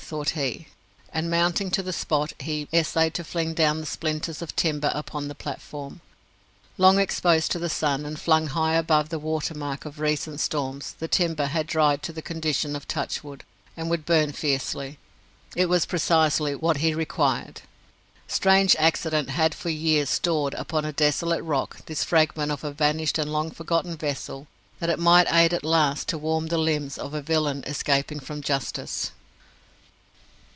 thought he; and mounting to the spot, he essayed to fling down the splinters of timber upon the platform. Long exposed to the sun, and flung high above the water mark of recent storms, the timber had dried to the condition of touchwood, and would burn fiercely. It was precisely what he required. Strange accident that had for years stored, upon a desolate rock, this fragment of a vanished and long forgotten vessel, that it might aid at last to warm the limbs of a villain escaping from justice!